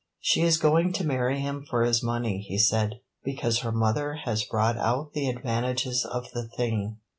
"She is going to marry him for his money," he said, "because her mother has brought out the advantages of the thing.